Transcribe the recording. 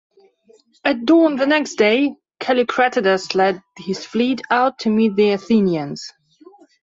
At dawn the next day, Callicratidas led his fleet out to meet the Athenians.